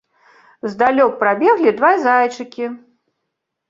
Здалёк прабеглі два зайчыкі.